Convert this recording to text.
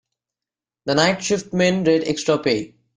The night shift men rate extra pay.